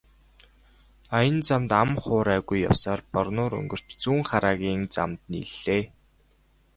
Аян замд ам хуурайгүй явсаар Борнуур өнгөрч Зүүнхараагийн замд нийллээ.